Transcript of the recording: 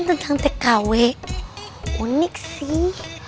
tentang tkw unik sih